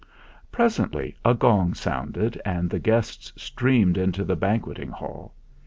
Presently a gong sounded and the guests streamed into the banqueting hall.